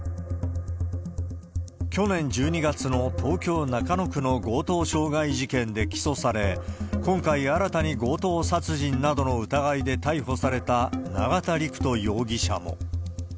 去年１２月の東京・中野区の強盗傷害事件で起訴され、今回新たに強盗殺人などの疑いで逮捕された永田陸人容疑者も。